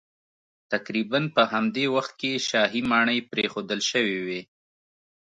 تقریبا په همدې وخت کې شاهي ماڼۍ پرېښودل شوې وې